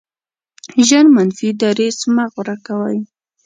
ژر منفي دریځ مه غوره کوئ.